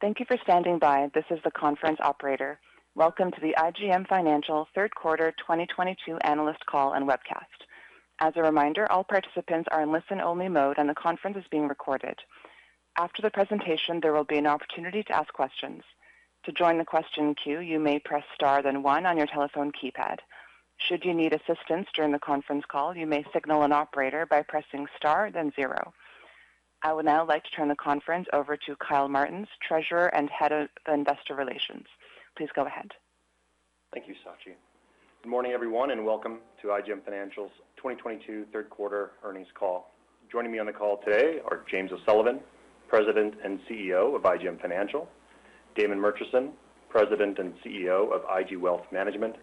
Thank you for standing by. This is the conference operator. Welcome to the IGM Financial Third Quarter 2022 Analyst Call and Webcast. As a reminder, all participants are in listen-only mode, and the conference is being recorded. After the presentation, there will be an opportunity to ask questions. To join the question queue, you may press star then one on your telephone keypad. Should you need assistance during the conference call, you may signal an operator by pressing star then zero. I would now like to turn the conference over to Kyle Martens, Treasurer and Head of Investor Relations. Please go ahead. Thank you, Sachi. Good morning, everyone, and welcome to IGM Financial's 2022 third quarter earnings call. Joining me on the call today are James O'Sullivan, President and CEO of IGM Financial; Damon Murchison, President and CEO of IG Wealth Management;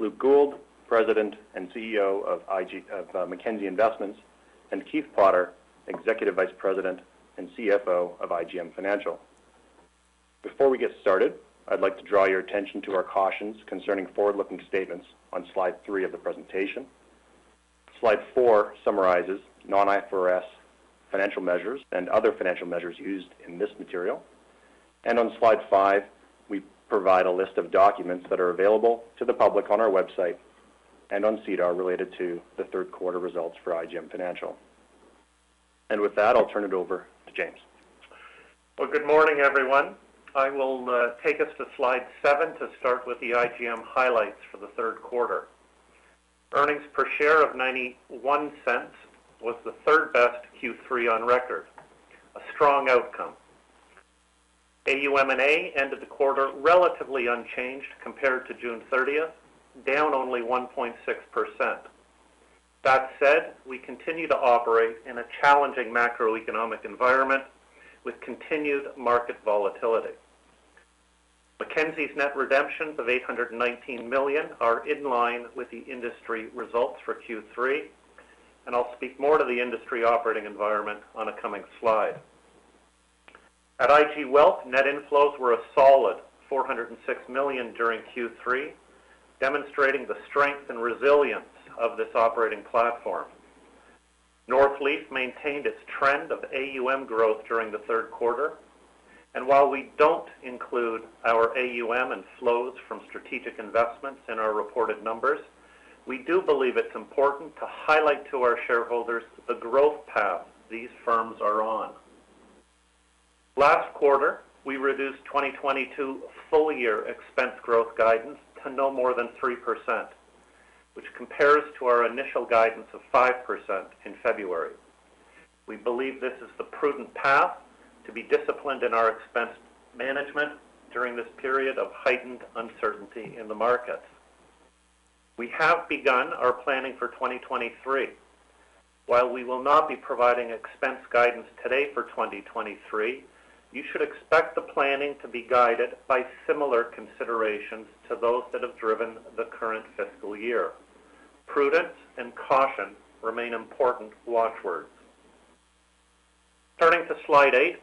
Luke Gould, President and CEO of Mackenzie Investments; and Keith Potter, Executive Vice President and CFO of IGM Financial. Before we get started, I'd like to draw your attention to our cautions concerning forward-looking statements on Slide three of the presentation. Slide four summarizes non-IFRS financial measures and other financial measures used in this material. On Slide five, we provide a list of documents that are available to the public on our website and on SEDAR related to the third quarter results for IGM Financial. With that, I'll turn it over to James. Well, good morning, everyone. I will take us to Slide seven to start with the IGM highlights for the third quarter. Earnings per share of 0.91 was the third best Q3 on record, a strong outcome. AUM and AUA ended the quarter relatively unchanged compared to June 30, down only 1.6%. That said, we continue to operate in a challenging macroeconomic environment with continued market volatility. Mackenzie's net redemptions of 819 million are in line with the industry results for Q3, and I'll speak more to the industry operating environment on a coming slide. At IG Wealth, net inflows were a solid 406 million during Q3, demonstrating the strength and resilience of this operating platform. Northleaf maintained its trend of AUM growth during the third quarter. While we don't include our AUM and flows from strategic investments in our reported numbers, we do believe it's important to highlight to our shareholders the growth path these firms are on. Last quarter, we reduced 2022 full-year expense growth guidance to no more than 3%, which compares to our initial guidance of 5% in February. We believe this is the prudent path to be disciplined in our expense management during this period of heightened uncertainty in the markets. We have begun our planning for 2023. While we will not be providing expense guidance today for 2023, you should expect the planning to be guided by similar considerations to those that have driven the current fiscal year. Prudence and caution remain important watch words. Turning to slide 8,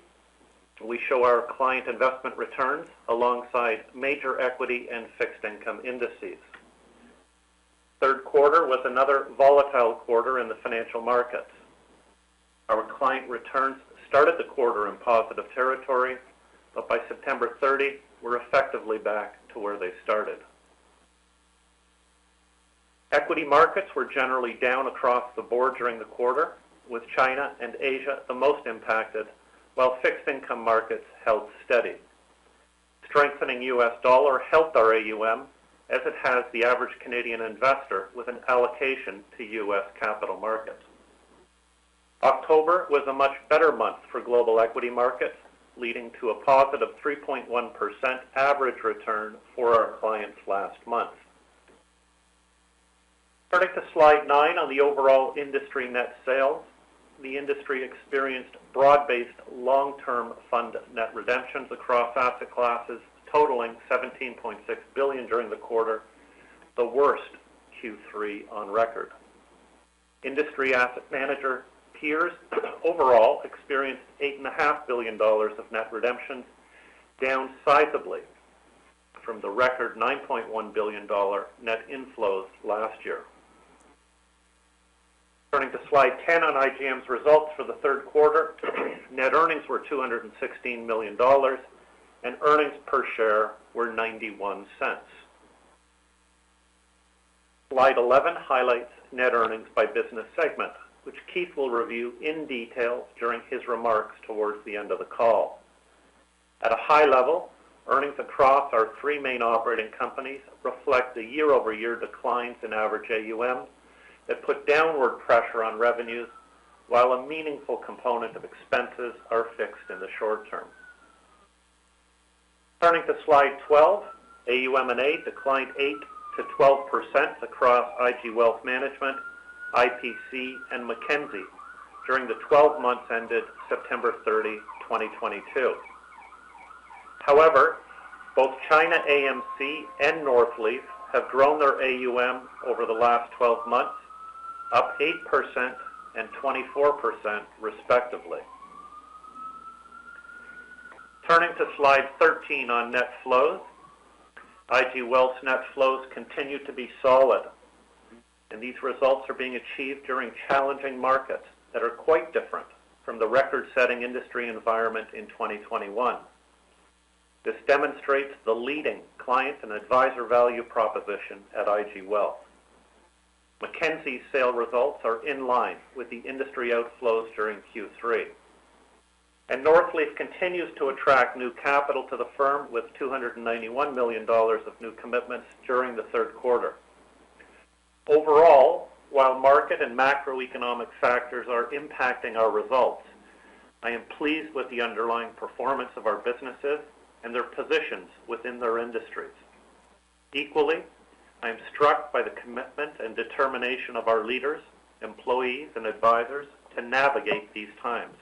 we show our client investment returns alongside major equity and fixed income indices. Third quarter was another volatile quarter in the financial markets. Our client returns started the quarter in positive territory, but by September 30, we're effectively back to where they started. Equity markets were generally down across the board during the quarter, with China and Asia the most impacted, while fixed income markets held steady. Strengthening U.S. dollar helped our AUM as it has the average Canadian investor with an allocation to U.S. capital markets. October was a much better month for global equity markets, leading to a positive 3.1% average return for our clients last month. Turning to slide 9 on the overall industry net sales, the industry experienced broad-based long-term fund net redemptions across asset classes totaling 17.6 billion during the quarter, the worst Q3 on record. Industry asset manager peers overall experienced 8.5 billion dollars of net redemptions, down sizably from the record 9.1 billion dollar net inflows last year. Turning to Slide 10 on IGM's results for the third quarter, net earnings were 216 million dollars, and earnings per share were 0.91. Slide 11 highlights net earnings by business segment, which Keith will review in detail during his remarks towards the end of the call. At a high level, earnings across our three main operating companies reflect the year-over-year declines in average AUM that put downward pressure on revenues, while a meaningful component of expenses are fixed in the short term. Turning to Slide 12, AUM & AUA declined 8%-12% across IG Wealth Management, IPC, and Mackenzie during the 12 months ended September 30, 2022. However, both China AMC and Northleaf have grown their AUM over the last 12 months, up 8% and 24% respectively. Turning to Slide 13 on net flows, IG Wealth's net flows continued to be solid. These results are being achieved during challenging markets that are quite different from the record-setting industry environment in 2021. This demonstrates the leading client and advisor value proposition at IG Wealth. Mackenzie's sales results are in line with the industry outflows during Q3. Northleaf continues to attract new capital to the firm with 291 million dollars of new commitments during the third quarter. Overall, while market and macroeconomic factors are impacting our results, I am pleased with the underlying performance of our businesses and their positions within their industries. Equally, I'm struck by the commitment and determination of our leaders, employees, and advisors to navigate these times.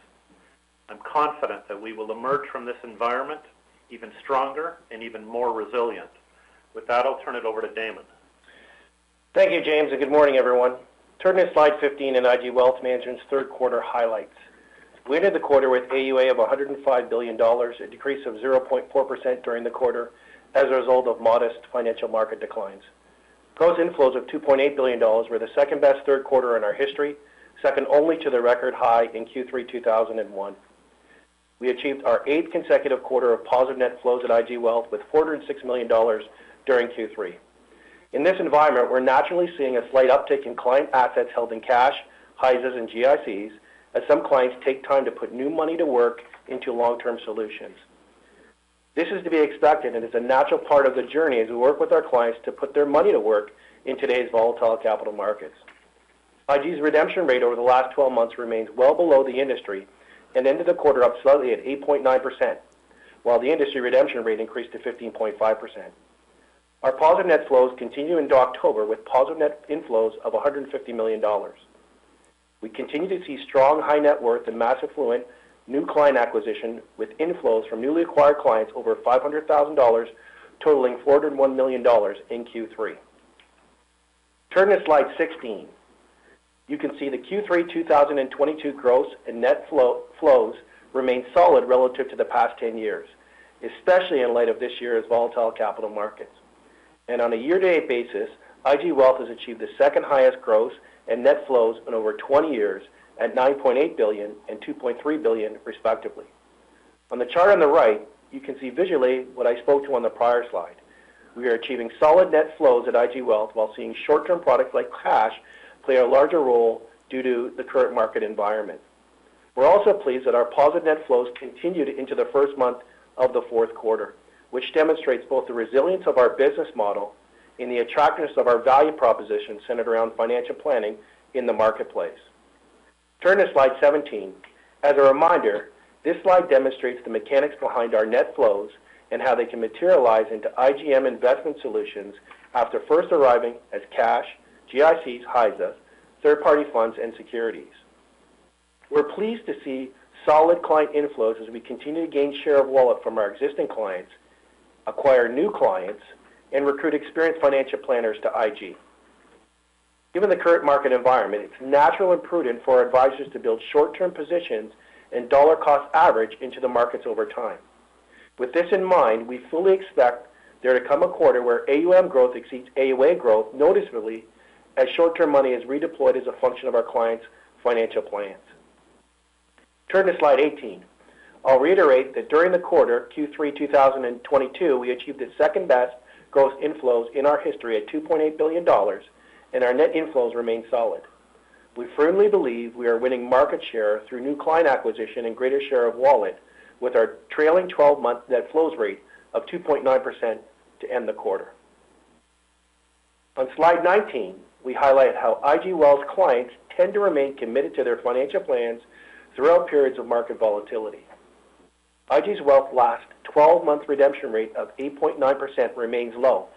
I'm confident that we will emerge from this environment even stronger and even more resilient. With that, I'll turn it over to Damon. Thank you, James, and good morning, everyone. Turning to Slide 15 in IG Wealth Management's third quarter highlights. We ended the quarter with AUA of 105 billion dollars, a decrease of 0.4% during the quarter as a result of modest financial market declines. Gross inflows of 2.8 billion dollars were the second-best third quarter in our history, second only to the record high in Q3 2001. We achieved our eighth consecutive quarter of positive net flows at IG Wealth with 406 million dollars during Q3. In this environment, we're naturally seeing a slight uptick in client assets held in cash, HISAs, and GICs as some clients take time to put new money to work into long-term solutions. This is to be expected, and it's a natural part of the journey as we work with our clients to put their money to work in today's volatile capital markets. IG's redemption rate over the last 12 months remains well below the industry and ended the quarter up slightly at 8.9%, while the industry redemption rate increased to 15.5%. Our positive net flows continue into October with positive net inflows of 150 million dollars. We continue to see strong high net worth and mass affluent new client acquisition with inflows from newly acquired clients over 500,000 dollars totaling 401 million dollars in Q3. Turn to Slide 16. You can see the Q3 2022 gross and net flows remain solid relative to the past 10 years, especially in light of this year's volatile capital markets. On a year-to-date basis, IG Wealth has achieved the second highest gross and net flows in over 20 years at 9.8 billion and 2.3 billion, respectively. On the chart on the right, you can see visually what I spoke to on the prior slide. We are achieving solid net flows at IG Wealth while seeing short-term products like cash play a larger role due to the current market environment. We're also pleased that our positive net flows continued into the first month of the fourth quarter, which demonstrates both the resilience of our business model and the attractiveness of our value proposition centered around financial planning in the marketplace. Turn to Slide 17. As a reminder, this slide demonstrates the mechanics behind our net flows and how they can materialize into IGM investment solutions after first arriving as cash, GICs, HISAs, third-party funds, and securities. We're pleased to see solid client inflows as we continue to gain share of wallet from our existing clients, acquire new clients, and recruit experienced financial planners to IG. Given the current market environment, it's natural and prudent for our advisors to build short-term positions and dollar cost average into the markets over time. With this in mind, we fully expect there to come a quarter where AUM growth exceeds AUA growth noticeably as short-term money is redeployed as a function of our clients' financial plans. Turn to Slide 18. I'll reiterate that during the quarter Q3 2022, we achieved the second-best gross inflows in our history at 2.8 billion dollars, and our net inflows remain solid. We firmly believe we are winning market share through new client acquisition and greater share of wallet with our trailing 12-month net flows rate of 2.9% to end the quarter. On Slide 19, we highlight how IG Wealth's clients tend to remain committed to their financial plans throughout periods of market volatility. IG Wealth's last 12-month redemption rate of 8.9% remains low,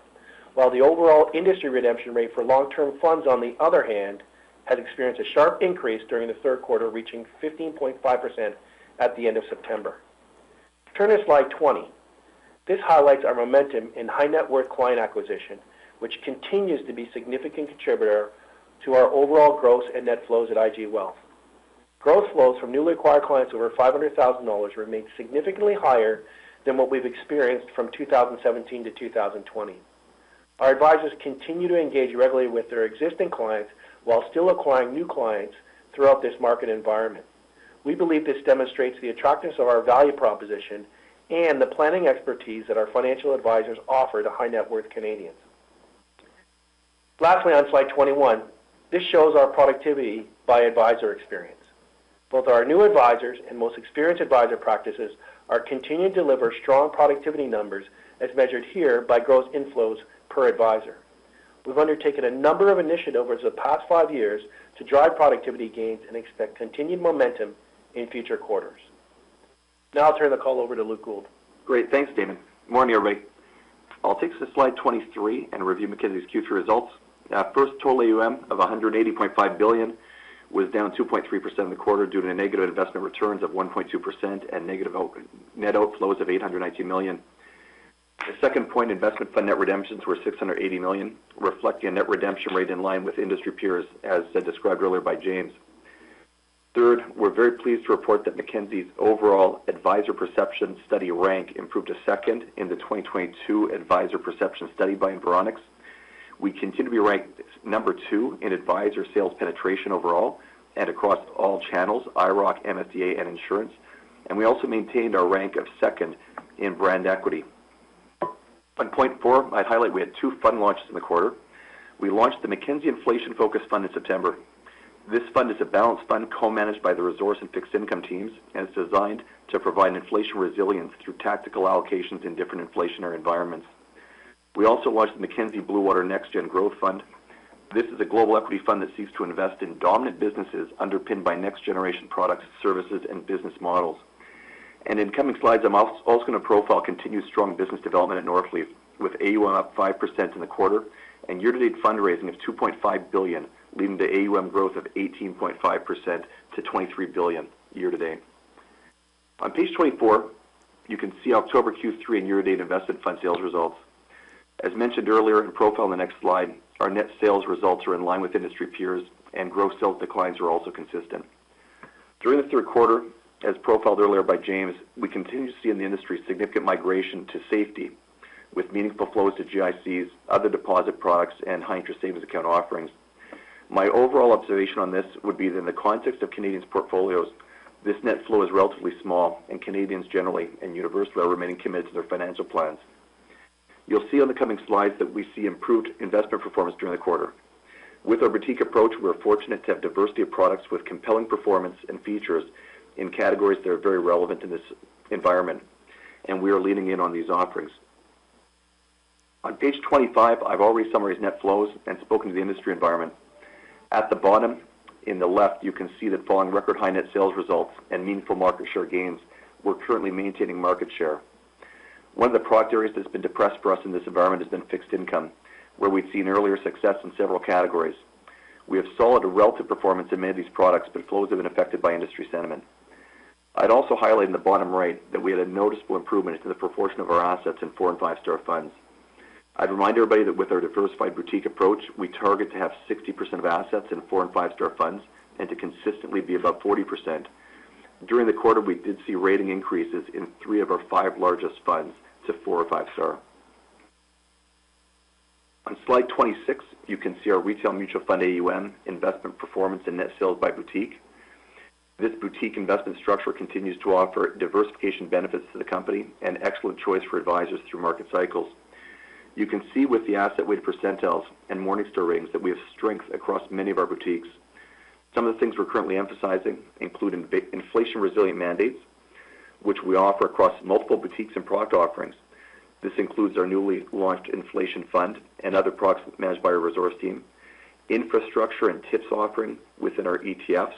while the overall industry redemption rate for long-term funds, on the other hand, has experienced a sharp increase during the third quarter, reaching 15.5% at the end of September. Turn to Slide 20. This highlights our momentum in high net worth client acquisition, which continues to be a significant contributor to our overall gross and net flows at IG Wealth. Gross flows from newly acquired clients over 500,000 dollars remains significantly higher than what we've experienced from 2017 to 2020. Our advisors continue to engage regularly with their existing clients while still acquiring new clients throughout this market environment. We believe this demonstrates the attractiveness of our value proposition and the planning expertise that our financial advisors offer to high net worth Canadians. Lastly, on Slide 21, this shows our productivity by advisor experience. Both our new advisors and most experienced advisor practices are continuing to deliver strong productivity numbers as measured here by gross inflows per advisor. We've undertaken a number of initiatives over the past five years to drive productivity gains and expect continued momentum in future quarters. Now I'll turn the call over to Luke Gould. Great. Thanks, Damon. Morning, everybody. I'll take us to Slide 23 and review Mackenzie's Q3 results. First, total AUM of 180.5 billion was down 2.3% in the quarter due to negative investment returns of 1.2% and negative net outflows of 819 million. Second, investment fund net redemptions were 680 million, reflecting a net redemption rate in line with industry peers, as described earlier by James. Third, we're very pleased to report that Mackenzie's overall Advisor Perception Study rank improved to second in the 2022 Advisor Perception Study by Environics. We continue to be ranked number two in advisor sales penetration overall and across all channels, IIROC, MFDA, and insurance. We also maintained our rank of second in brand equity. On point four, I'd highlight we had two fund launches in the quarter. We launched the Mackenzie Inflation-Focused Fund in September. This fund is a balanced fund co-managed by the resource and fixed income teams, and it's designed to provide inflation resilience through tactical allocations in different inflationary environments. We also launched the Mackenzie Bluewater Next Gen Growth Fund. This is a global equity fund that seeks to invest in dominant businesses underpinned by next-generation products, services, and business models. In coming slides, I'm also going to profile continued strong business development at Northleaf, with AUM up 5% in the quarter and year-to-date fundraising of 2.5 billion, leading to AUM growth of 18.5% to 23 billion year-to-date. On Page 24, you can see October Q3 and year-to-date investment fund sales results. As mentioned earlier and profiled in the next slide, our net sales results are in line with industry peers, and gross sales declines are also consistent. During the third quarter, as profiled earlier by James, we continue to see in the industry significant migration to safety, with meaningful flows to GICs, other deposit products, and high interest savings account offerings. My overall observation on this would be that in the context of Canadians' portfolios, this net flow is relatively small, and Canadians generally and universally are remaining committed to their financial plans. You'll see on the coming slides that we see improved investment performance during the quarter. With our boutique approach, we're fortunate to have diversity of products with compelling performance and features in categories that are very relevant in this environment, and we are leaning in on these offerings. On Page 25, I've already summarized net flows and spoken to the industry environment. At the bottom, in the left, you can see that following record high net sales results and meaningful market share gains, we're currently maintaining market share. One of the product areas that's been depressed for us in this environment has been fixed income, where we've seen earlier success in several categories. We have solid relative performance in many of these products, but flows have been affected by industry sentiment. I'd also highlight in the bottom right that we had a noticeable improvement in the proportion of our assets in four and five-star funds. I'd remind everybody that with our diversified boutique approach, we target to have 60% of assets in four and five-star funds and to consistently be above 40%. During the quarter, we did see rating increases in three of our five largest funds to four or five-star. On Slide 26, you can see our retail mutual fund AUM investment performance and net sales by boutique. This boutique investment structure continues to offer diversification benefits to the company and excellent choice for advisors through market cycles. You can see with the asset weight percentiles and Morningstar ratings that we have strength across many of our boutiques. Some of the things we're currently emphasizing include inflation-resilient mandates, which we offer across multiple boutiques and product offerings. This includes our newly launched inflation fund and other products managed by our resource team. Infrastructure and TIPS offering within our ETFs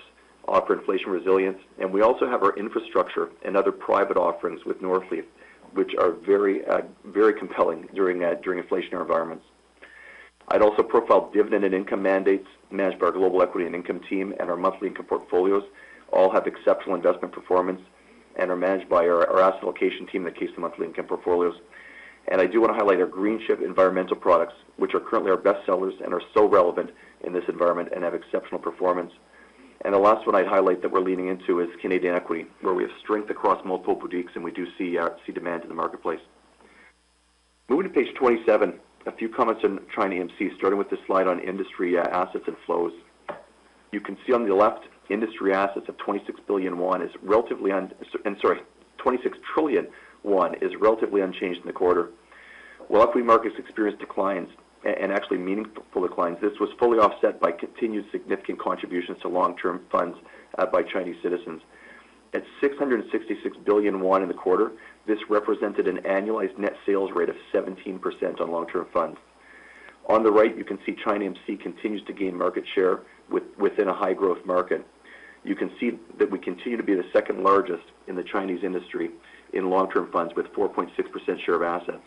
offer inflation resilience, and we also have our infrastructure and other private offerings with Northleaf, which are very, very compelling during inflationary environments. I'd also profile dividend and income mandates managed by our global equity and income team and our monthly income portfolios all have exceptional investment performance and are managed by our asset allocation team that keeps the monthly income portfolios. I do want to highlight our Greenchip environmental products, which are currently our best sellers and are so relevant in this environment and have exceptional performance. The last one I'd highlight that we're leaning into is Canadian equity, where we have strength across multiple boutiques, and we do see see demand in the marketplace. Moving to Page 27, a few comments on China AMC, starting with this slide on industry assets and flows. You can see on the left, industry assets of RMB 26 trillion is relatively unchanged in the quarter. While equity markets experienced declines, and actually meaningful declines, this was fully offset by continued significant contributions to long-term funds by Chinese citizens. At RMB 666 billion in the quarter, this represented an annualized net sales rate of 17% on long-term funds. On the right, you can see China AMC continues to gain market share within a high-growth market. You can see that we continue to be the second largest in the Chinese industry in long-term funds with 4.6% share of assets.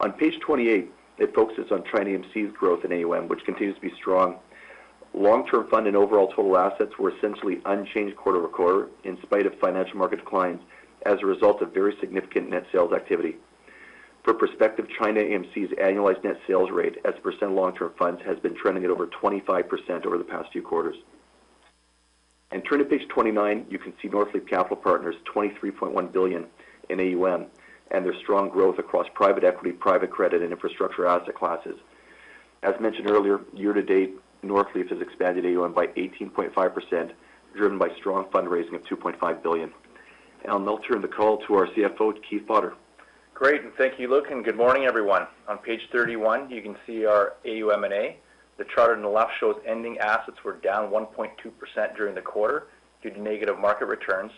On Page 28, it focuses on China AMC's growth in AUM, which continues to be strong. Long-term fund and overall total assets were essentially unchanged quarter-over-quarter in spite of financial market declines as a result of very significant net sales activity. For perspective, China AMC's annualized net sales rate as a percent of long-term funds has been trending at over 25% over the past few quarters. Turning to Page 29, you can see Northleaf Capital Partners' 23.1 billion in AUM and their strong growth across private equity, private credit, and infrastructure asset classes. As mentioned earlier, year-to-date, Northleaf has expanded AUM by 18.5%, driven by strong fundraising of 2.5 billion. I'll now turn the call to our CFO, Keith Potter. Great. Thank you, Luke, and good morning, everyone. On Page 31, you can see our AUM and AUA. The chart on the left shows ending assets were down 1.2% during the quarter due to negative market returns.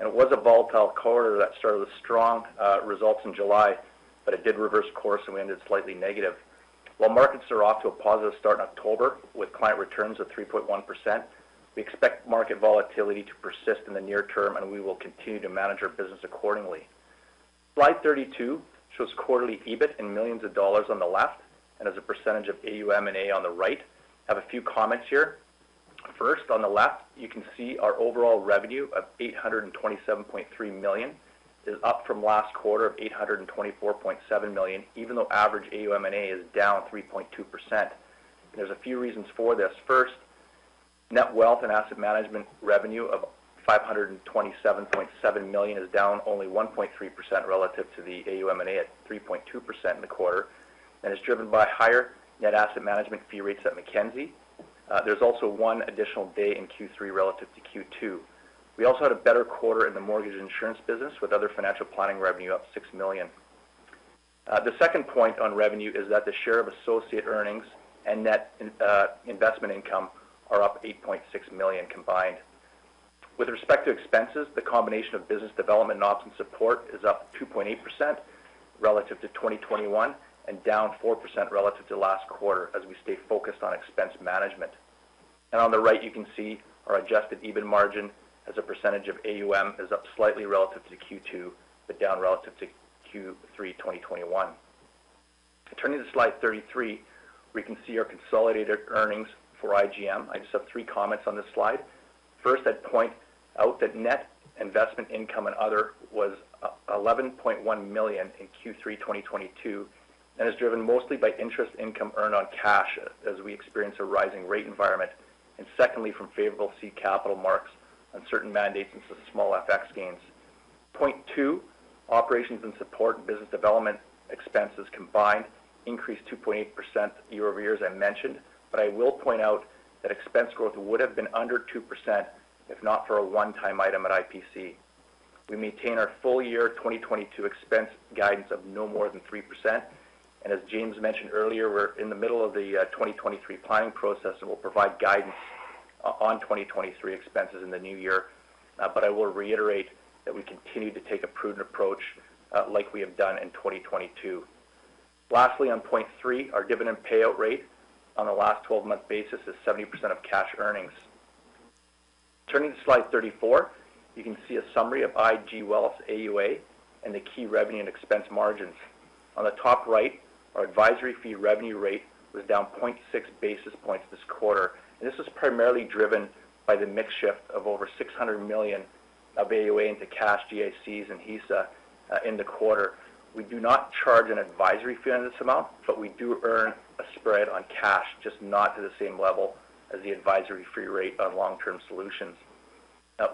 It was a volatile quarter that started with strong results in July, but it did reverse course, and we ended slightly negative. While markets are off to a positive start in October with client returns of 3.1%, we expect market volatility to persist in the near term, and we will continue to manage our business accordingly. Slide 32 shows quarterly EBIT in millions of dollars on the left and as a percentage of AUM and AUA on the right. I have a few comments here. First, on the left, you can see our overall revenue of 827.3 million is up from last quarter of 824.7 million, even though average AUM & AUA is down 3.2%. There are a few reasons for this. First, net wealth and asset management revenue of 527.7 million is down only 1.3% relative to the AUM & AUA at 3.2% in the quarter, and is driven by higher net asset management fee rates at Mackenzie. There's also one additional day in Q3 relative to Q2. We also had a better quarter in the mortgage insurance business with other financial planning revenue up 6 million. The second point on revenue is that the share of associate earnings and net investment income are up 8.6 million combined. With respect to expenses, the combination of business development and ops support is up 2.8% relative to 2021, and down 4% relative to last quarter as we stay focused on expense management. On the right, you can see our adjusted EBIT margin as a percentage of AUM is up slightly relative to Q2, but down relative to Q3 2021. Turning to slide 33, we can see our consolidated earnings for IGM. I just have three comments on this slide. First, I'd point out that net investment income and other was 11.1 million in Q3 2022, and is driven mostly by interest income earned on cash as we experience a rising rate environment, and secondly, from favorable seed capital marks on certain mandates and some small FX gains. Point two, operations and support business development expenses combined increased 2.8% year-over-year, as I mentioned, but I will point out that expense growth would have been under 2% if not for a one-time item at IPC. We maintain our full year 2022 expense guidance of no more than 3%. As James mentioned earlier, we're in the middle of the 2023 planning process, and we'll provide guidance on 2023 expenses in the new year. I will reiterate that we continue to take a prudent approach, like we have done in 2022. Lastly, on point three, our dividend payout rate on the last 12-month basis is 70% of cash earnings. Turning to Slide 34, you can see a summary of IG Wealth's AUA and the key revenue and expense margins. On the top right, our advisory fee revenue rate was down 0.6 basis points this quarter. This was primarily driven by the mix shift of over 600 million of AUA into cash GICs and HISAs in the quarter. We do not charge an advisory fee on this amount, but we do earn a spread on cash, just not to the same level as the advisory fee rate on long-term solutions.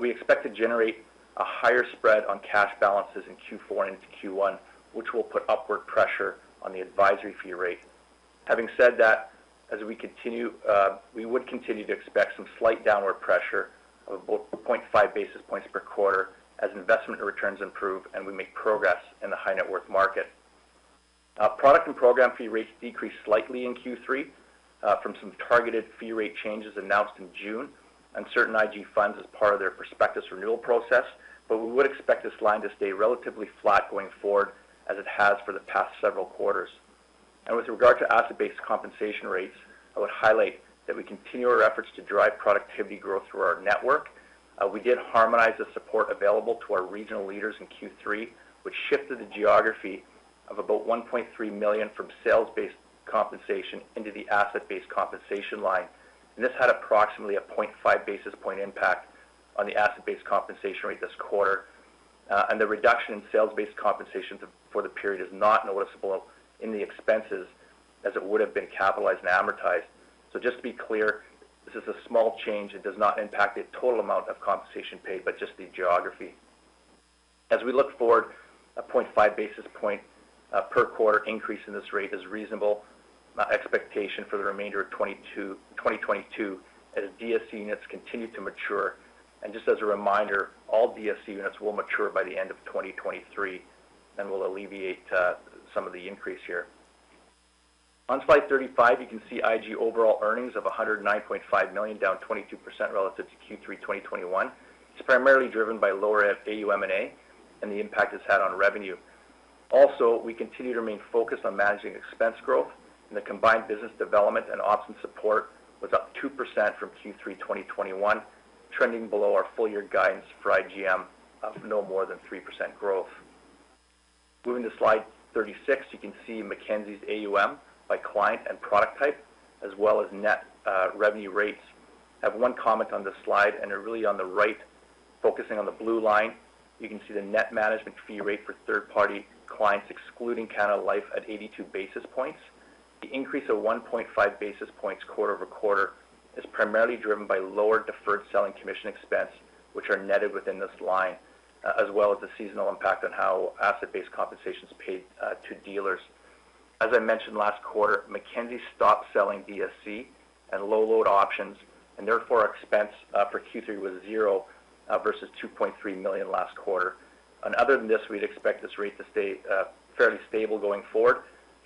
We expect to generate a higher spread on cash balances in Q4 and into Q1, which will put upward pressure on the advisory fee rate. Having said that, as we continue, we would continue to expect some slight downward pressure of point five basis points per quarter as investment returns improve and we make progress in the high net worth market. Our product and program fee rates decreased slightly in Q3 from some targeted fee rate changes announced in June on certain IG funds as part of their prospectus renewal process. We would expect this line to stay relatively flat going forward, as it has for the past several quarters. With regard to asset-based compensation rates, I would highlight that we continue our efforts to drive productivity growth through our network. We did harmonize the support available to our regional leaders in Q3, which shifted the geography of about 1.3 million from sales-based compensation into the asset-based compensation line. This had approximately a 0.5 basis point impact on the asset-based compensation rate this quarter. The reduction in sales-based compensation for the period is not noticeable in the expenses as it would have been capitalized and amortized. Just to be clear, this is a small change. It does not impact the total amount of compensation paid, but just the geography. As we look forward, a 0.5 basis point per quarter increase in this rate is reasonable expectation for the remainder of 2022 as DSC units continue to mature. Just as a reminder, all DSC units will mature by the end of 2023 and will alleviate some of the increase here. On slide 35, you can see IG overall earnings of 109.5 million, down 22% relative to Q3 2021. It's primarily driven by lower AUM and AUA and the impact it's had on revenue. Also, we continue to remain focused on managing expense growth, and the combined business development and ops support was up 2% from Q3 2021, trending below our full year guidance for IGM of no more than 3% growth. Moving to slide 36, you can see Mackenzie's AUM by client and product type, as well as net revenue rates. I have one comment on this slide, and really on the right, focusing on the blue line, you can see the net management fee rate for third-party clients, excluding Canada Life at 82 basis points. The increase of 1.5 basis points quarter-over-quarter is primarily driven by lower deferred selling commission expense, which are netted within this line, as well as the seasonal impact on how asset-based compensation is paid to dealers. As I mentioned last quarter, Mackenzie stopped selling DSC and low load options, and therefore, our expense for Q3 was zero versus $2.3 million last quarter. Other than this, we'd expect this rate to stay fairly stable going forward,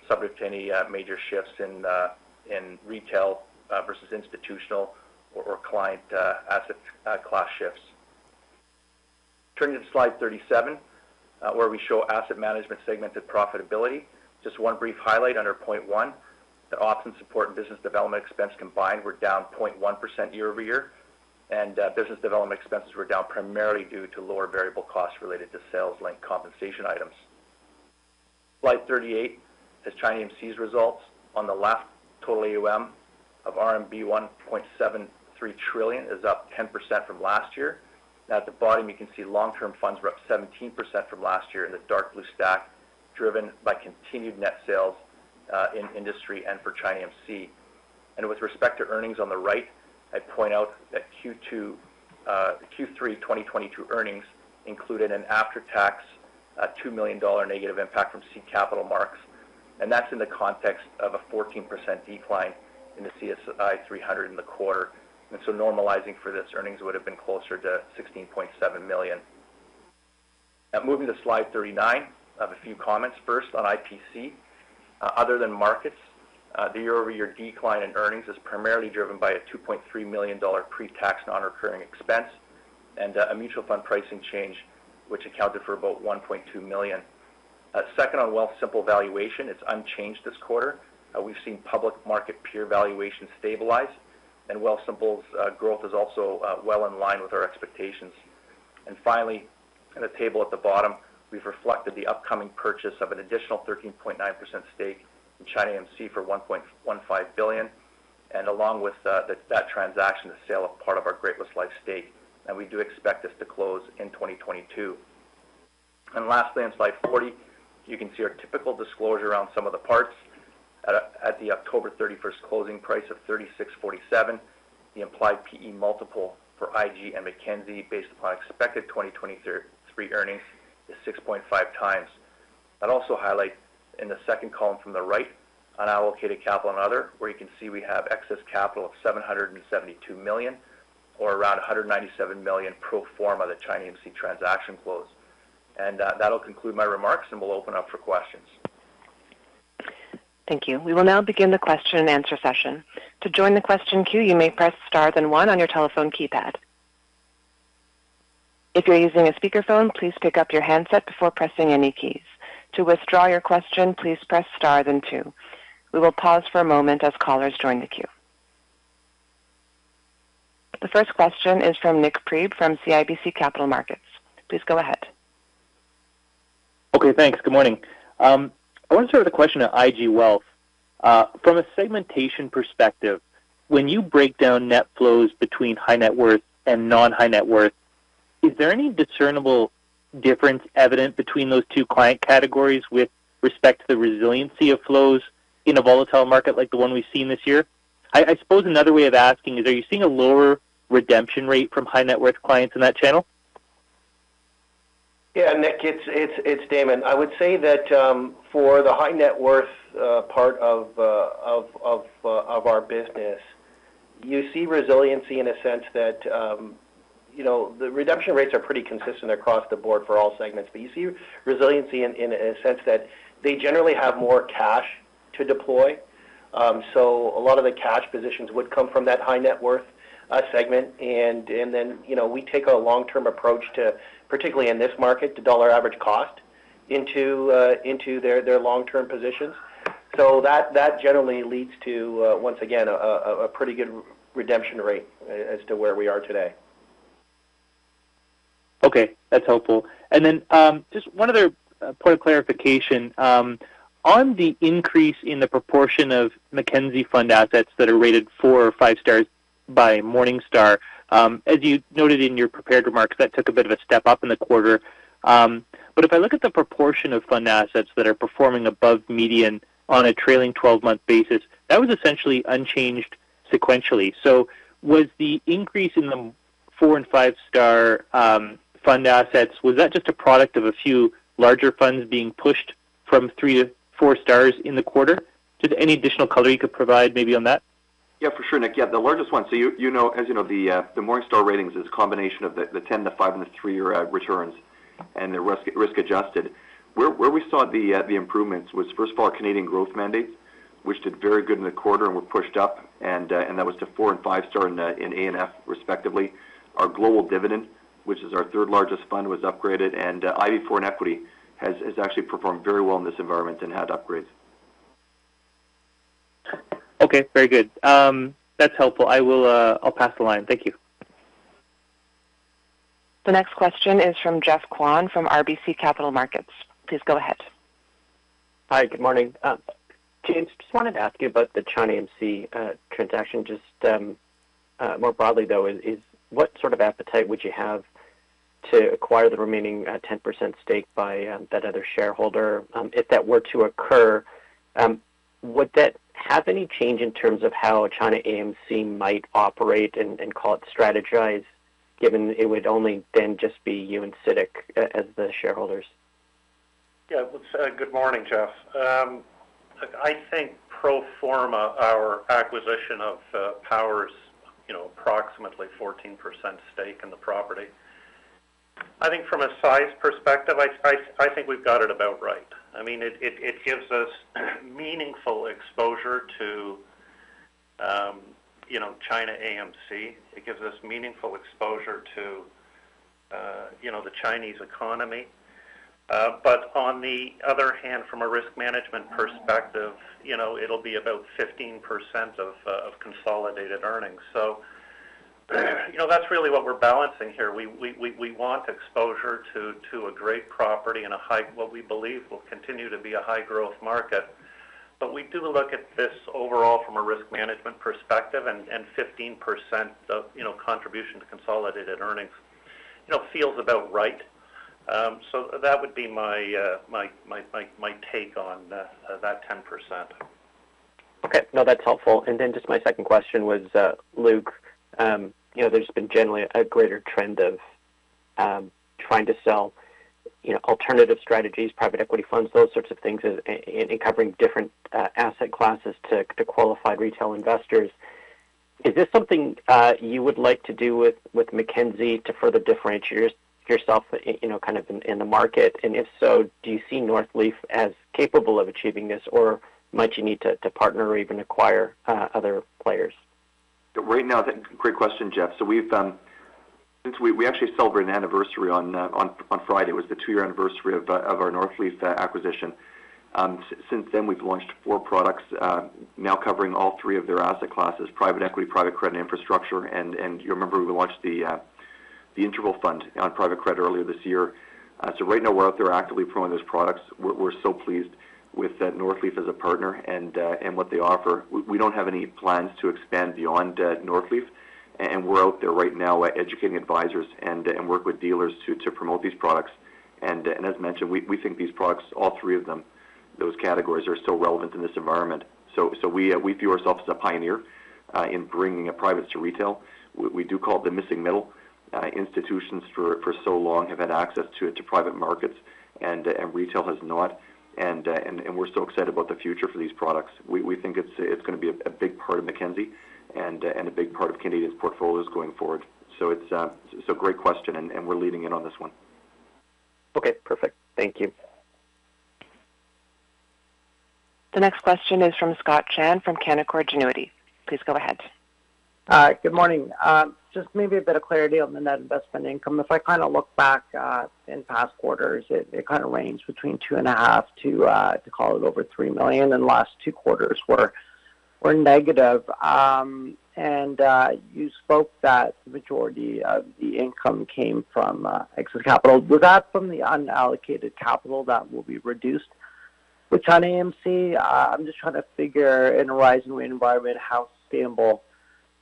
subject to any major shifts in retail versus institutional or client asset class shifts. Turning to Slide 37, where we show asset management segmented profitability. Just one brief highlight under point one. The ops and support and business development expense combined were down 0.1% year-over-year. Business development expenses were down primarily due to lower variable costs related to sales-linked compensation items. Slide 38 has China AMC's results on the left. Total AUM of RMB 1.73 trillion is up 10% from last year. At the bottom, you can see long-term funds were up 17% from last year in the dark blue stack, driven by continued net sales in industry and for China AMC. With respect to earnings on the right, I'd point out that Q3 2022 earnings included an after-tax 2 million dollar negative impact from seed capital marks, and that's in the context of a 14% decline in the CSI 300 in the quarter. Normalizing for this, earnings would have been closer to 16.7 million. Now moving to Slide 39. I have a few comments first on IPC. Other than markets, the year-over-year decline in earnings is primarily driven by a 2.3 million dollar pre-tax non-recurring expense and a mutual fund pricing change which accounted for about 1.2 million. Second, on Wealthsimple valuation, it's unchanged this quarter. We've seen public market peer valuation stabilize, and Wealthsimple's growth is also well in line with our expectations. Finally, in the table at the bottom, we've reflected the upcoming purchase of an additional 13.9% stake in China AMC for 1.15 billion. Along with that transaction, the sale of part of our Great-West Life stake. We do expect this to close in 2022. Lastly, on slide 40, you can see our typical disclosure around some of the parts. At the October 31st closing price of 36.47, the implied PE multiple for IG and Mackenzie, based upon expected 2023 earnings, is 6.5 times. I'd also highlight in the second column from the right on allocated capital and other, where you can see we have excess capital of 772 million or around 197 million pro forma the China AMC transaction close. That'll conclude my remarks, and we'll open up for questions. Thank you. We will now begin the question and answer session. To join the question queue, you may press star then one on your telephone keypad. If you're using a speakerphone, please pick up your handset before pressing any keys. To withdraw your question, please press star then two. We will pause for a moment as callers join the queue. The first question is from Nik Priebe from CIBC Capital Markets. Please go ahead. Okay. Thanks. Good morning. I want to start with a question on IG Wealth. From a segmentation perspective, when you break down net flows between high net worth and non-high net worth, is there any discernible difference evident between those two client categories with respect to the resiliency of flows in a volatile market like the one we've seen this year? I suppose another way of asking is, are you seeing a lower redemption rate from high net worth clients in that channel? Yeah. Nick, it's Damon. I would say that for the high net worth part of our business, you see resiliency in a sense that you know, the redemption rates are pretty consistent across the board for all segments. You see resiliency in a sense that they generally have more cash to deploy. A lot of the cash positions would come from that high net worth segment. You know, we take a long-term approach, particularly in this market, to dollar-cost average into their long-term positions. That generally leads to once again a pretty good redemption rate as to where we are today. Okay, that's helpful. Just one other point of clarification. On the increase in the proportion of Mackenzie Fund assets that are rated four or five stars by Morningstar, as you noted in your prepared remarks, that took a bit of a step up in the quarter. If I look at the proportion of fund assets that are performing above median on a trailing 12-month basis, that was essentially unchanged sequentially. Was the increase in the four- and five-star fund assets just a product of a few larger funds being pushed from three to four stars in the quarter? Just any additional color you could provide maybe on that? Yeah, for sure, Nik. Yeah, the largest one. You know, as you know, the Morningstar ratings is a combination of the 10, 5, and 3-year returns, and they're risk-adjusted. Where we saw the improvements was, first of all, our Canadian growth mandate, which did very good in the quarter and were pushed up, and that was to four and five-star in A and F, respectively. Our global dividend, which is our third-largest fund, was upgraded, and Ivy Foreign Equity has actually performed very well in this environment and had upgrades. Okay, very good. That's helpful. I'll pass the line. Thank you. The next question is from Geoffrey Kwan from RBC Capital Markets. Please go ahead. Hi. Good morning. James, just wanted to ask you about the China AMC transaction. Just more broadly, though, is what sort of appetite would you have to acquire the remaining 10% stake by that other shareholder, if that were to occur, would that have any change in terms of how China AMC might operate and call it strategize, given it would only then just be you and CITIC as the shareholders? Yeah. Well, good morning, Geoff. Look, I think pro forma our acquisition of Power's, you know, approximately 14% stake in the property. I think from a size perspective, I think we've got it about right. I mean, it gives us meaningful exposure to, you know, China AMC. It gives us meaningful exposure to, you know, the Chinese economy. But on the other hand, from a risk management perspective, you know, it'll be about 15% of consolidated earnings. You know, that's really what we're balancing here. We want exposure to a great property and a high, what we believe will continue to be a high growth market. We do look at this overall from a risk management perspective, and 15% of, you know, contribution to consolidated earnings, you know, feels about right. That would be my take on that 10%. Okay. No, that's helpful. Just my second question was, Luke, you know, there's been generally a greater trend of trying to sell, you know, alternative strategies, private equity funds, those sorts of things, in covering different asset classes to qualified retail investors. Is this something you would like to do with Mackenzie to further differentiate yourself, you know, kind of in the market? If so, do you see Northleaf as capable of achieving this, or might you need to partner or even acquire other players? Right now. Great question, Geoff. We actually celebrate an anniversary on Friday. It was thetwo-year anniversary of our Northleaf acquisition. Since then, we've launched four products now covering all three of their asset classes, private equity, private credit, infrastructure. You remember we launched the interval fund on private credit earlier this year. Right now we're out there actively promoting those products. We're so pleased with Northleaf as a partner and what they offer. We don't have any plans to expand beyond Northleaf. We're out there right now educating advisors and working with dealers to promote these products. As mentioned, we think these products, all three of them, those categories are so relevant in this environment. We view ourselves as a pioneer in bringing privates to retail. We do call it the missing middle. Institutions, for so long, have had access to private markets, and retail has not. We're so excited about the future for these products. We think it's going to be a big part of Mackenzie and a big part of Canadians' portfolios going forward. It's a great question, and we're leading in on this one. Okay, perfect. Thank you. The next question is from Scott Chan from Canaccord Genuity. Please go ahead. Hi. Good morning. Just maybe a bit of clarity on the net investment income. If I kind of look back in past quarters, it kind of ranged between 2.5 million to over 3 million, and last two quarters were negative. You spoke that the majority of the income came from excess capital. Was that from the unallocated capital that will be reduced with China AMC? I'm just trying to figure in a rising rate environment how sustainable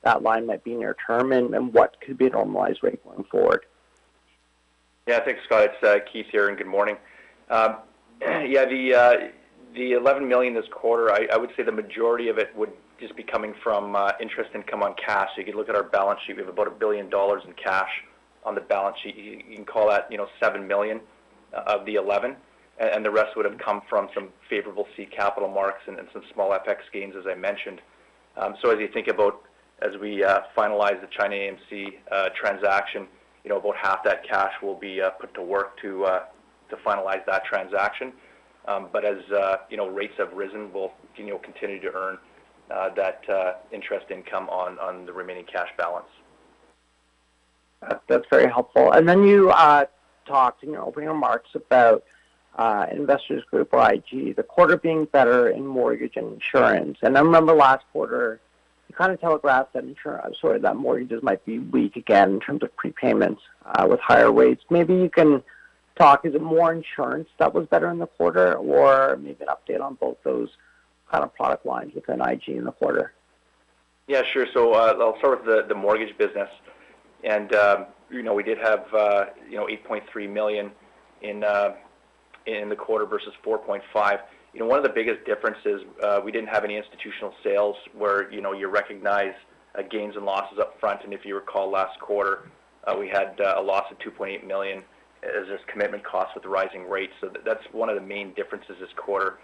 that line might be near term and what could be a normalized rate going forward. Yeah. Thanks, Scott. It's Keith here, and good morning. The 11 million this quarter, I would say the majority of it would just be coming from interest income on cash. You could look at our balance sheet. We have about 1 billion dollars in cash on the balance sheet. You can call that, you know, 7 million of the 11, and the rest would have come from some favorable capital marks and some small FX gains, as I mentioned. As you think about finalizing the China AMC transaction, you know, about half that cash will be put to work to finalize that transaction. As you know, rates have risen, we'll continue to earn that interest income on the remaining cash balance. That's very helpful. Then you talked in your opening remarks about Investors Group or IG, the quarter being better in mortgage and insurance. I remember last quarter, you kind of telegraphed that mortgages might be weak again in terms of prepayments with higher rates. Maybe you can talk, is it more insurance that was better in the quarter or maybe an update on both those kind of product lines within IG in the quarter? Yeah, sure. I'll start with the mortgage business. We did have 8.3 million in the quarter versus 4.5 million. One of the biggest differences, we didn't have any institutional sales where you recognize gains and losses up front. If you recall last quarter, we had a loss of 2.8 million as this commitment cost with the rising rates. That's one of the main differences this quarter.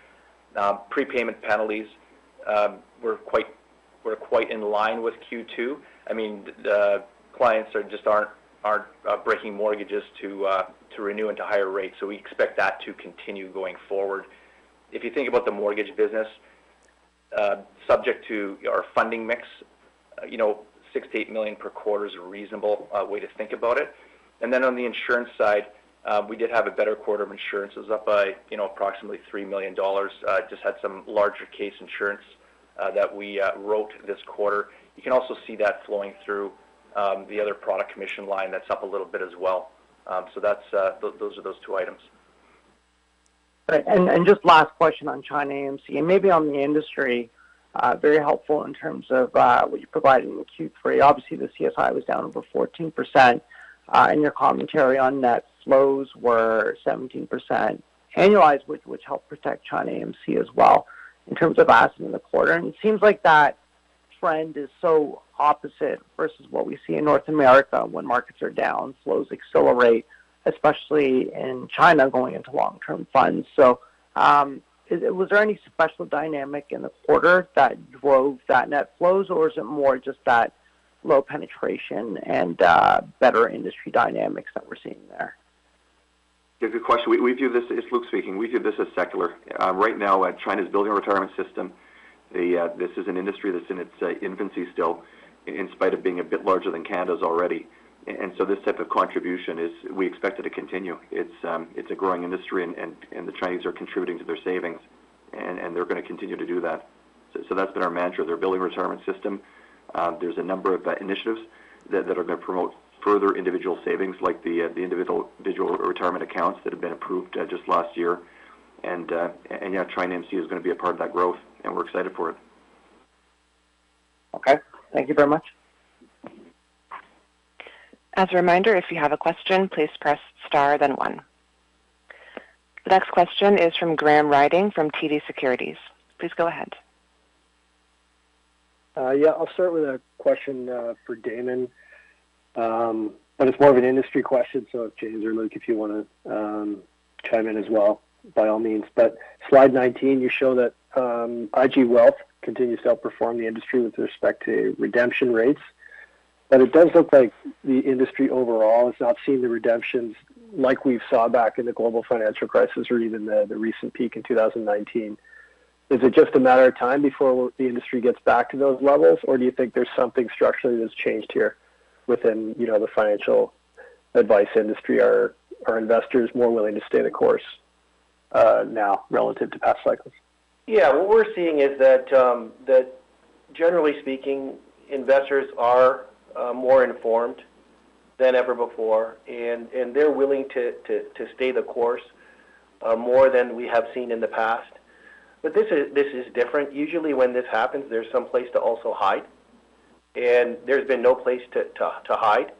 Prepayment penalties were quite in line with Q2. I mean, the clients just aren't breaking mortgages to renew into higher rates. We expect that to continue going forward. If you think about the mortgage business, subject to our funding mix, you know, 6-8 million per quarter is a reasonable way to think about it. Then on the insurance side, we did have a better quarter of insurance. It was up by, you know, approximately 3 million dollars. Just had some larger case insurance that we wrote this quarter. You can also see that flowing through the other product commission line that's up a little bit as well. So that's those are those two items. Right. Just last question on China AMC, and maybe on the industry, very helpful in terms of what you provided in Q3. Obviously, the CSI was down over 14%. In your commentary on net flows were 17% annualized, which helped protect China AMC as well in terms of assets in the quarter. It seems like that trend is so opposite versus what we see in North America when markets are down, flows accelerate, especially in China going into long-term funds. Was there any special dynamic in the quarter that drove that net flows, or is it more just that low penetration and better industry dynamics that we're seeing there? Yeah, good question. It's Luke speaking. We view this as secular. Right now, China's building a retirement system. This is an industry that's in its infancy still, in spite of being a bit larger than Canada's already. This type of contribution is we expect it to continue. It's a growing industry, and the Chinese are contributing to their savings. They're going to continue to do that. That's been our mantra. They're building retirement system. There's a number of initiatives that are going to promote further individual savings, like the individual digital retirement accounts that have been approved just last year. Yeah, China AMC is going to be a part of that growth, and we're excited for it. Okay. Thank you very much. As a reminder, if you have a question, please press star then one. The next question is from Graham Ryding from TD Securities. Please go ahead. Yeah, I'll start with a question for Damon. It's more of an industry question, so if James or Luke, if you want to chime in as well, by all means. Slide 19, you show that IG Wealth continues to outperform the industry with respect to redemption rates. It does look like the industry overall has not seen the redemptions like we've seen back in the global financial crisis or even the recent peak in 2019. Is it just a matter of time before the industry gets back to those levels, or do you think there's something structurally that's changed here within, you know, the financial advice industry? Are investors more willing to stay the course now relative to past cycles? Yeah, what we're seeing is that generally speaking, investors are more informed than ever before, and they're willing to stay the course more than we have seen in the past. This is different. Usually when this happens, there's some place to also hide, and there's been no place to hide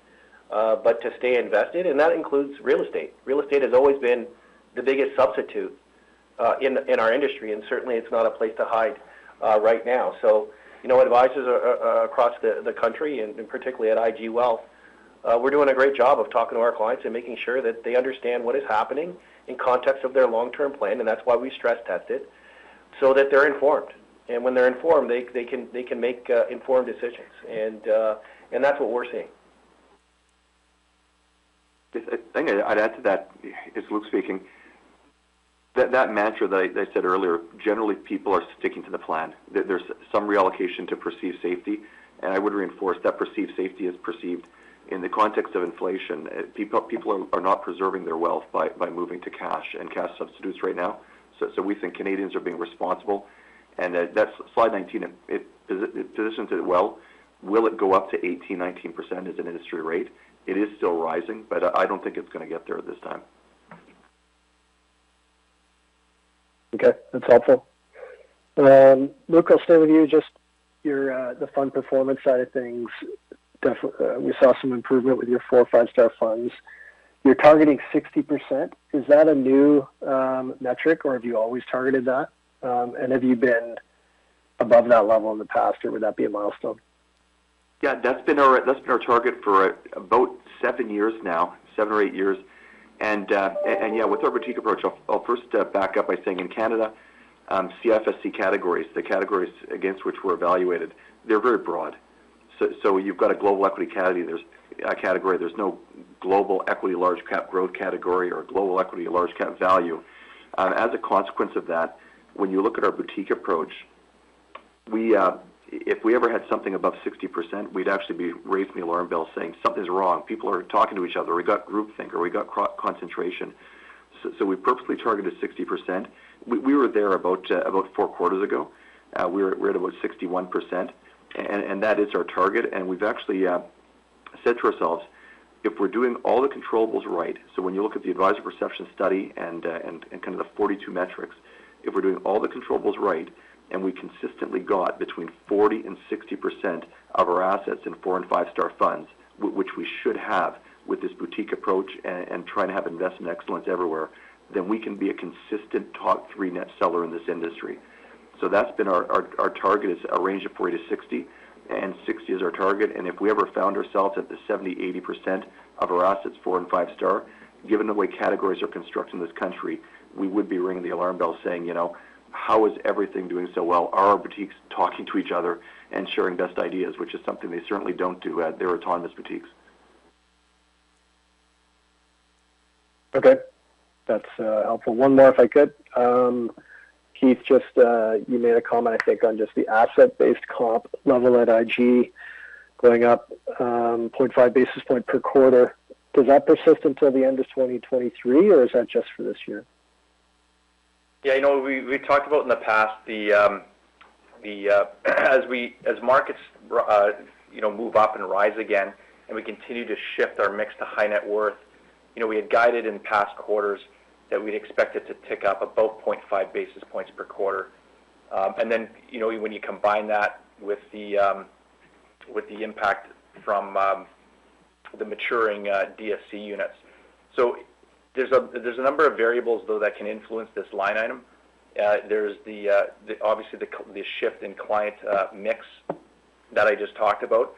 but to stay invested, and that includes real estate. Real estate has always been the biggest substitute in our industry, and certainly it's not a place to hide right now. You know, advisors across the country, and particularly at IG Wealth, we're doing a great job of talking to our clients and making sure that they understand what is happening in context of their long-term plan, and that's why we stress test it so that they're informed. When they're informed, they can make informed decisions. That's what we're seeing. The thing I'd add to that, it's Luke speaking. That mantra that I said earlier, generally people are sticking to the plan. There's some reallocation to perceived safety, and I would reinforce that perceived safety is perceived in the context of inflation. People are not preserving their wealth by moving to cash and cash substitutes right now. So we think Canadians are being responsible. That's slide 19. It positions it well. Will it go up to 18%-19% as an industry rate? It is still rising, but I don't think it's going to get there this time. Okay. That's helpful. Luke, I'll stay with you. Just your the fund performance side of things. We saw some improvement with your four, five-star funds. You're targeting 60%. Is that a new metric, or have you always targeted that? Have you been above that level in the past, or would that be a milestone? Yeah, that's been our target for about seven years now, seven or eight years. With our boutique approach, I'll first back up by saying in Canada, CIFSC categories, the categories against which we're evaluated, they're very broad. You've got a global equity category. There's no global equity large cap growth category or global equity large cap value. As a consequence of that, when you look at our boutique approach, we if we ever had something above 60%, we'd actually be raising the alarm bell saying something's wrong. People are talking to each other. We got group think, or we got concentration. We purposely targeted 60%. We were there about four quarters ago. We're at about 61%, and that is our target. We've actually said to ourselves, if we're doing all the controllables right, so when you look at the Advisor Perception Study and the 42 metrics, if we're doing all the controllables right, and we consistently got between 40%-60% of our assets in four- and five-star funds, which we should have with this boutique approach and trying to have investment excellence everywhere, then we can be a consistent top three net seller in this industry. That's been our target is a range of 40%-60%, and 60% is our target. If we ever found ourselves at the 70%-80% of our assets, four and five-star, given the way categories are constructed in this country, we would be ringing the alarm bell saying, you know, "How is everything doing so well? Are our boutiques talking to each other and sharing best ideas?" Which is something they certainly don't do at their autonomous boutiques. Okay. That's helpful. One more, if I could. Keith, just, you made a comment, I think, on just the asset-based comp level at IG going up, 0.5 basis points per quarter. Does that persist until the end of 2023, or is that just for this year? Yeah, you know, we talked about in the past the, as markets move up and rise again and we continue to shift our mix to high net worth, you know, we had guided in past quarters that we'd expect it to tick up about 0.5 basis points per quarter. You know, when you combine that with the impact from the maturing DSC units. There's a number of variables though that can influence this line item. There's obviously the shift in client mix that I just talked about.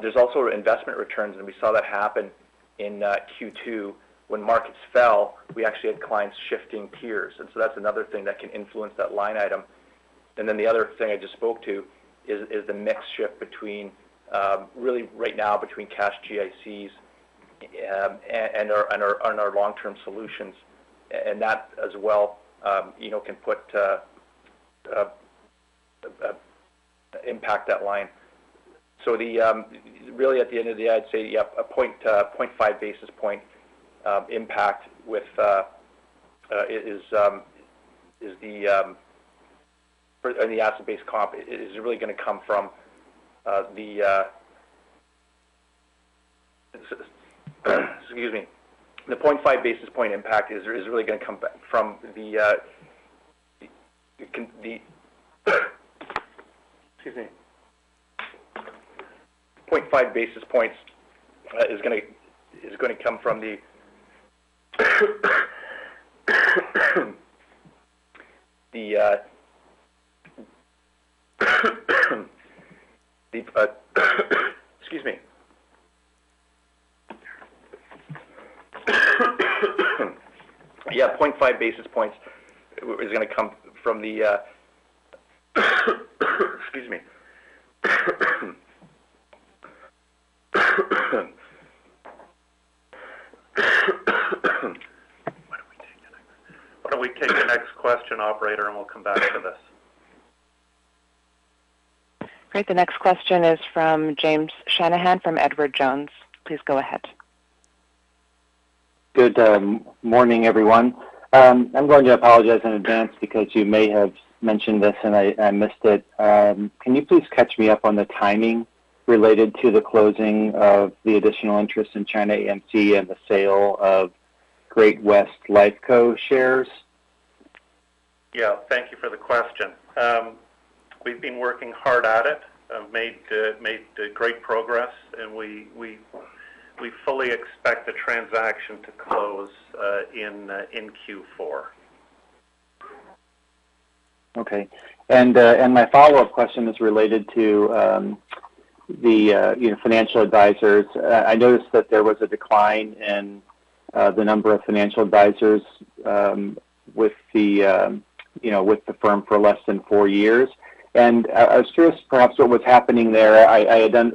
There's also investment returns, and we saw that happen in Q2. When markets fell, we actually had clients shifting peers. That's another thing that can influence that line item. The other thing I just spoke to is the mix shift between really right now between cash GICs and our long-term solutions, and that as well, you know, can put impact on that line. Really at the end of the day, I'd say, yeah, a 0.5 basis point impact on the asset-based comp is really going to come from the. Why don't we take the next question, operator, and we'll come back to this. Great. The next question is from James Shanahan from Edward Jones. Please go ahead. Good morning, everyone. I'm going to apologize in advance because you may have mentioned this, and I missed it. Can you please catch me up on the timing related to the closing of the additional interest in China AMC and the sale of Great-West Lifeco shares? Yeah. Thank you for the question. We've been working hard at it, have made great progress, and we fully expect the transaction to close in Q4. My follow-up question is related to the you know financial advisors. I noticed that there was a decline in the number of financial advisors with the you know with the firm for less than four years. I was curious perhaps what was happening there.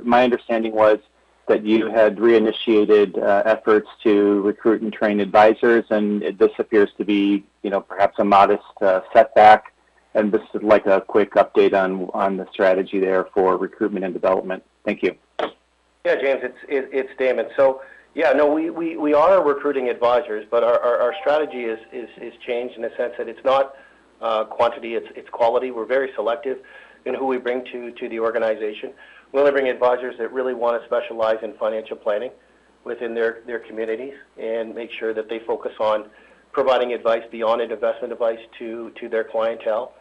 My understanding was that you had reinitiated efforts to recruit and train advisors, and this appears to be you know perhaps a modest setback. Just like a quick update on the strategy there for recruitment and development. Thank you. Yeah, James, it's Damon. So yeah, no, we are recruiting advisors, but our strategy is changed in the sense that it's not quantity, it's quality. We're very selective in who we bring to the organization. We only bring advisors that really want to specialize in financial planning within their communities and make sure that they focus on providing advice beyond an investment advice to their clientele.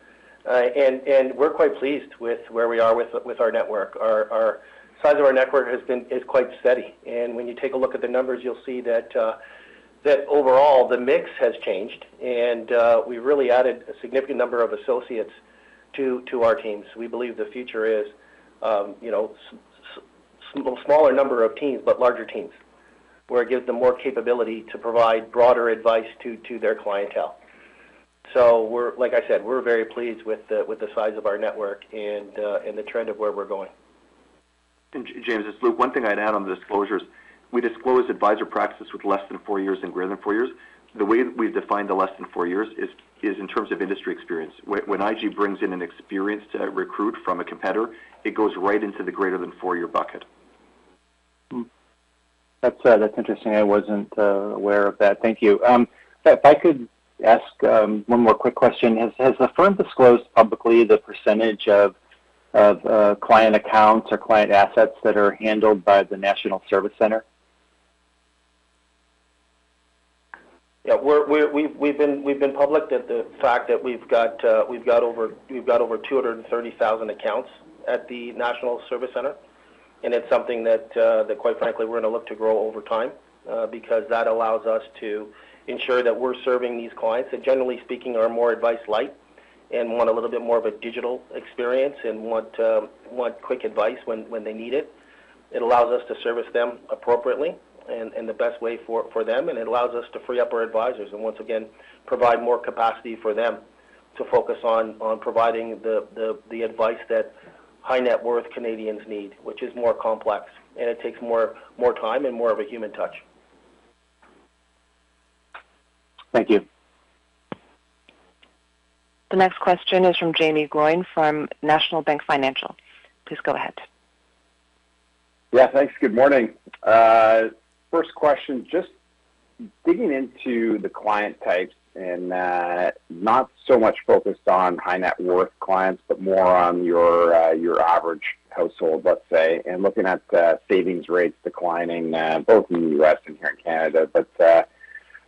We're quite pleased with where we are with our network. Our size of our network is quite steady. When you take a look at the numbers, you'll see that overall the mix has changed. We really added a significant number of associates to our teams. We believe the future is, you know, a little smaller number of teams, but larger teams, where it gives them more capability to provide broader advice to their clientele. We're like I said, we're very pleased with the size of our network and the trend of where we're going. James, it's Luke. One thing I'd add on the disclosures, we disclose advisor practices with less than four years and greater than four years. The way we've defined the less than four years is in terms of industry experience. When IG brings in an experienced recruit from a competitor, it goes right into the greater than four-year bucket. That's interesting. I wasn't aware of that. Thank you. If I could ask one more quick question. Has the firm disclosed publicly the percentage of client accounts or client assets that are handled by the National Service Center? Yeah. We've been public about the fact that we've got over 230,000 accounts at the National Service Center, and it's something that quite frankly, we're going to look to grow over time, because that allows us to ensure that we're serving these clients that generally speaking, are more advice light and want a little bit more of a digital experience and want quick advice when they need it. It allows us to service them appropriately and the best way for them, and it allows us to free up our advisors and once again provide more capacity for them to focus on providing the advice that high net worth Canadians need, which is more complex, and it takes more time and more of a human touch. Thank you. The next question is from Jaeme Gloyn from National Bank Financial. Please go ahead. Yeah. Thanks. Good morning. First question, just digging into the client types and not so much focused on high net worth clients, but more on your average household, let's say. Looking at the savings rates declining both in the US and here in Canada.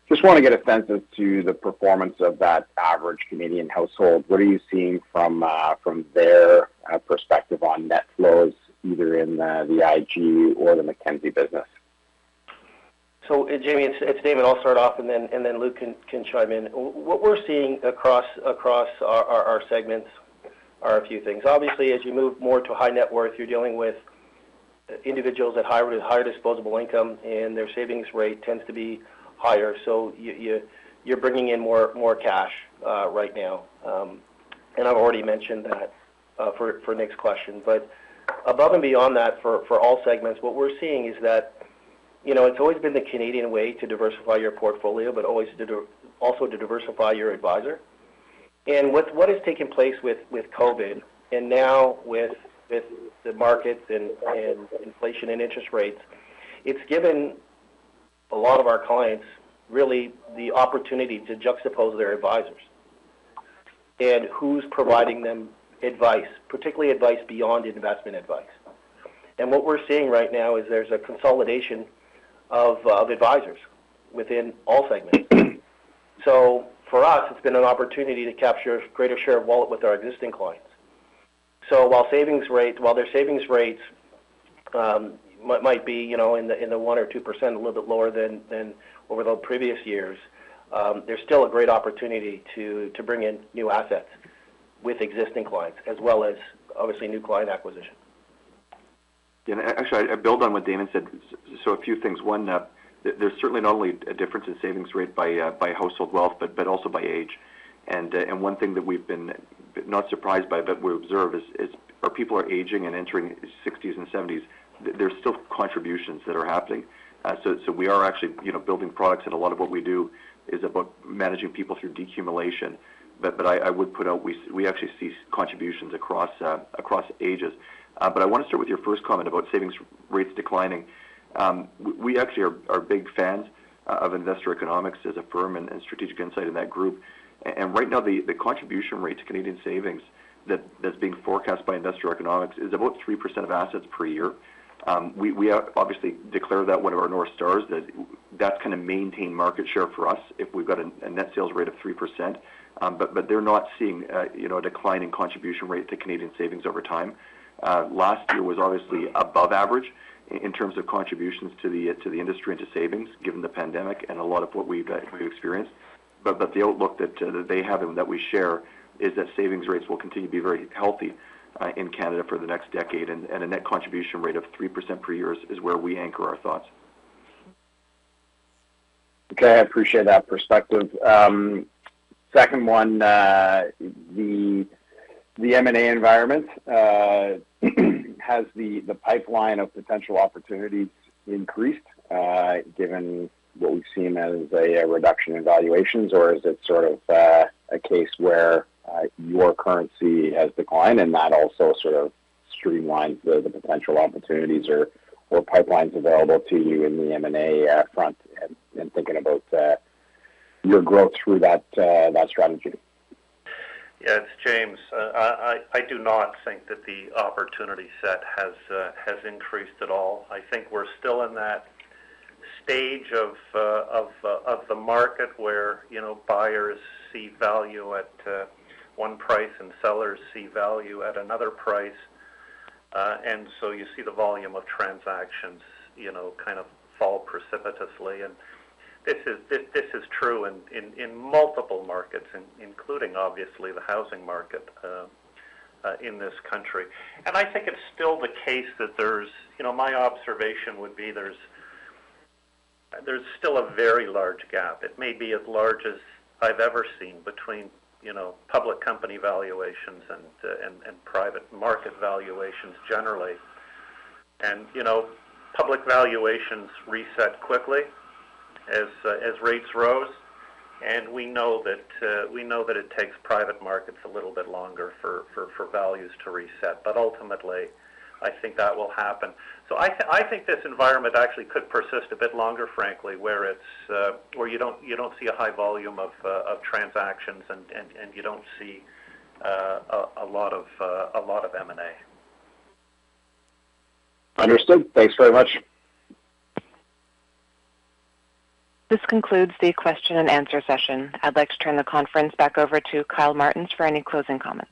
Just want to get a sense as to the performance of that average Canadian household. What are you seeing from their perspective on net flows either in the IG or the Mackenzie business? Jaeme, it's Damon. I'll start off and then Luke can chime in. What we're seeing across our segments are a few things. Obviously, as you move more to high net worth, you're dealing with individuals at higher disposable income, and their savings rate tends to be higher. You're bringing in more cash right now. I've already mentioned that for Nik's question. Above and beyond that, for all segments, what we're seeing is that you know, it's always been the Canadian way to diversify your portfolio, but always also to diversify your advisor. What is taking place with COVID and now with the markets and inflation and interest rates, it's given a lot of our clients really the opportunity to juxtapose their advisors and who's providing them advice, particularly advice beyond investment advice. What we're seeing right now is there's a consolidation of advisors within all segments. For us, it's been an opportunity to capture greater share of wallet with our existing clients. While their savings rates might be, you know, in the 1% or 2% a little bit lower than over the previous years, there's still a great opportunity to bring in new assets with existing clients as well as obviously new client acquisition. Actually, I build on what Damon said. A few things. One, there's certainly not only a difference in savings rate by household wealth, but also by age. One thing that we've been not surprised by but we observe is our people are aging and entering sixties and seventies. There's still contributions that are happening. We are actually, you know, building products, and a lot of what we do is about managing people through decumulation. I would put out we actually see contributions across ages. I want to start with your first comment about savings rates declining. We actually are big fans of Investor Economics as a firm and Strategic Insight in that group. Right now, the contribution rate to Canadian savings that's being forecast by Investor Economics is about 3% of assets per year. We obviously declare that one of our North Stars, that's gonna maintain market share for us if we've got a net sales rate of 3%. But they're not seeing, you know, a decline in contribution rate to Canadian savings over time. Last year was obviously above average in terms of contributions to the industry and to savings given the pandemic and a lot of what we've experienced. The outlook that they have and that we share is that savings rates will continue to be very healthy in Canada for the next decade. A net contribution rate of 3% per year is where we anchor our thoughts. Okay. I appreciate that perspective. Second one, the M&A environment, has the pipeline of potential opportunities increased, given what we've seen as a reduction in valuations, or is it sort of a case where your currency has declined and that also sort of streamlines the potential opportunities or pipelines available to you in the M&A front and thinking about your growth through that strategy? Yes, James. I do not think that the opportunity set has increased at all. I think we're still in that stage of the market where, you know, buyers see value at one price and sellers see value at another price. You see the volume of transactions, you know, kind of fall precipitously. This is true in multiple markets, including obviously the housing market in this country. I think it's still the case that there's a very large gap. You know, my observation would be there's still a very large gap. It may be as large as I've ever seen between, you know, public company valuations and private market valuations generally. Public valuations reset quickly as rates rose. We know that it takes private markets a little bit longer for values to reset. Ultimately, I think that will happen. I think this environment actually could persist a bit longer, frankly, where you don't see a high volume of transactions and you don't see a lot of M&A. Understood. Thanks very much. This concludes the question and answer session. I'd like to turn the conference back over to Kyle Martens for any closing comments.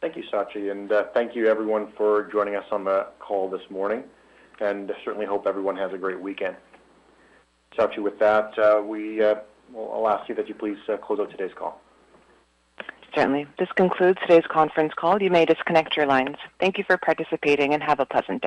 Thank you, Sachi. Thank you everyone for joining us on the call this morning, and certainly hope everyone has a great weekend. Sachi, with that, I'll ask you that you please close out today's call. Certainly. This concludes today's conference call. You may disconnect your lines. Thank you for participating and have a pleasant day.